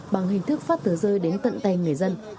bằng hình thức phát tờ rơi đến tận tay người dân